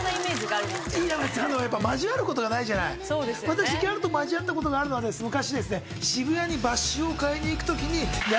私ギャルと交わったことがあるのは昔。